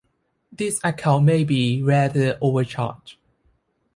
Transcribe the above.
This account may be rather overcharged.